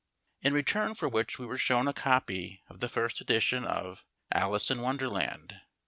In return for which we were shown a copy of the first edition of "Alice in Wonderland."